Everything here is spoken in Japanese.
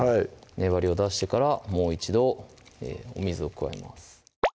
粘りを出してからもう一度お水を加えます